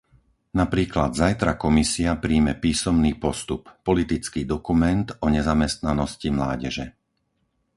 Napríklad zajtra Komisia prijme písomný postup - politický dokument o nezamestnanosti mládeže.